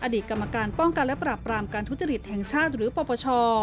กรรมการป้องกันและปราบรามการทุจริตแห่งชาติหรือปปช